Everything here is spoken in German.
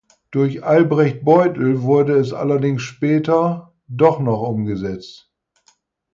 Durch Albrecht Beutel wurde es allerdings später doch noch umgesetzt.